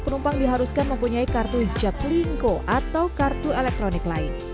penumpang diharuskan mempunyai kartu jaklingko atau kartu elektronik lain